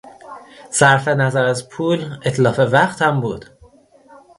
صرف نظر از پول، اتلاف وقت هم بود.